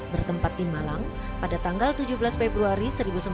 bertempat di malang pada tanggal tujuh belas februari